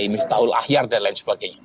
miftahul ahyar dan lain sebagainya